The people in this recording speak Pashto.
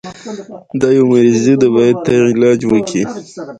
د ګډوالو نه زيات تاوان جلال آباد ښار وينئ.